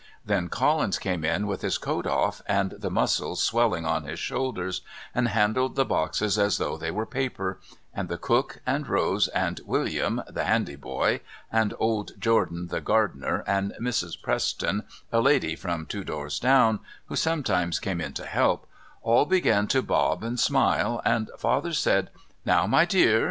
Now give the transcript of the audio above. Then Collins came in with his coat off, and the muscles swelling on his shoulders, and handled the boxes as though they were paper, and the cook, and Rose, and William, the handy boy, and old Jordan, the gardener, and Mrs. Preston, a lady from two doors down, who sometimes came in to help, all began to bob and smile, and Father said: "Now, my dear.